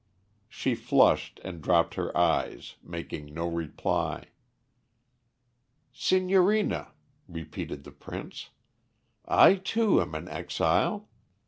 She flushed and dropped her eyes, making no reply. "Signorina," repeated the Prince, "I, too, am an exile.